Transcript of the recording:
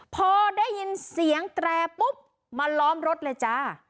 พอได้ยินเสียงแตรปุ๊บมาล้อมรถเลยจ้า